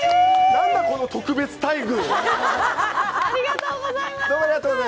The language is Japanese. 何だ、この特別待遇。